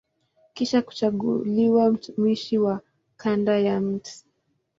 Kisha kuchaguliwa mtumishi wa kanda ya Mt.